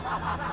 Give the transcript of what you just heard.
supaya dua orang